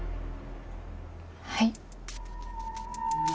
はい。